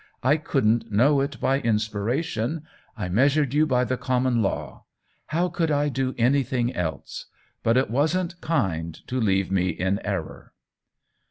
I couldn't know it by inspiration ; I measured you by the common law — how could I do anything else? But it wasn't kind to leave me in error."